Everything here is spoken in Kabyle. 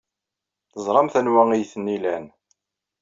Teẓramt anwa ay ten-ilan.